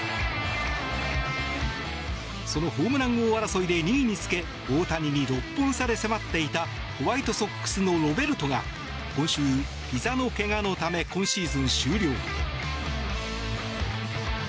そのホームラン王争いで２位につけ大谷に６本差で迫っていたホワイトソックスのロベルトが今週、ひざのけがのため今シーズン終了。